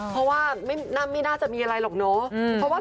เพราะว่าไม่น่าจะมีอะไรหรอกเนาะ